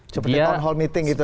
seperti town hall meeting gitu